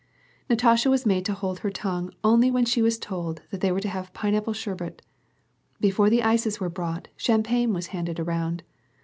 Natasha was made to hold her tongue only when she was told that they were to have pineapple sherbet. Before the ices were brought, champagne was handed around.